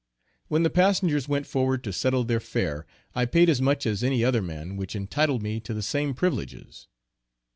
When the passengers went forward to settle their fare I paid as much as any other man, which entitled me to the same privileges.